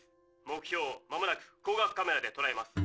目標まもなく光学カメラでとらえます」。